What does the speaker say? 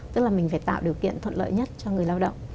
tức là mình phải tạo điều kiện thuận lợi nhất cho người lao động